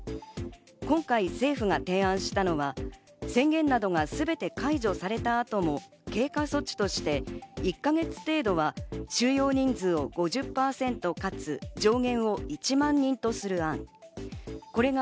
今回政府が提案したのは宣言などがすべて解除された後も経過措置として２か月程度は収容人数を５０％かつ上限を１万人とする案、これが